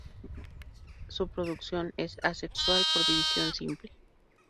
Su reproducción es asexual por división simple.